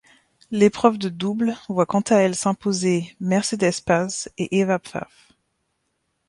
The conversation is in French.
L'épreuve de double voit quant à elle s'imposer Mercedes Paz et Eva Pfaff.